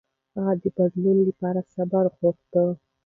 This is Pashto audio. هغه د بدلون لپاره صبر غوښت.